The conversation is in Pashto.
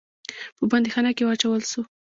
په بندیخانه کې واچول سو.